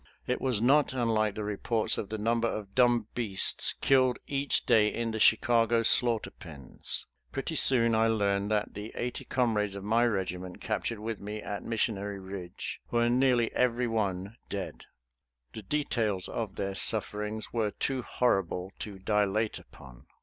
It was not unlike the reports of the number of dumb beasts killed each day in the Chicago slaughter pens. Pretty soon I learned that the eighty comrades of my regiment captured with me at Missionary Ridge were nearly every one dead. The details of their sufferings were too horrible to dilate upon.